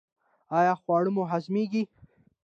ایا خواړه مو هضمیږي؟